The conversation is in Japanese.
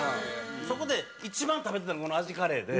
そこで一番食べてたんがこの味カレーで。